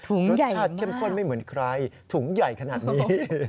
รสชาติเข้มข้นไม่เหมือนใครถุงใหญ่ขนาดนี้